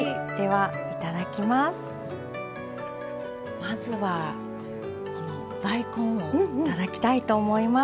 まずはこの大根を頂きたいと思います。